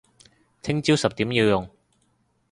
聽朝十點要用